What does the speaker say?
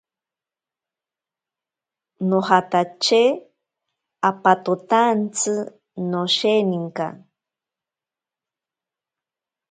Nojatache apatotaantsi nosheninka.